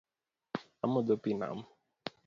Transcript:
Amodho pii nam